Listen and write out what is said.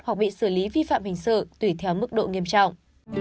hoặc bị xử lý vi phạm hình sự tùy theo mức độ nghiêm trọng